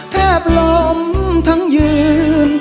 แทบล้มทั้งยืน